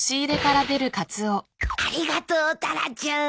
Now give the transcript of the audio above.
ありがとうタラちゃん。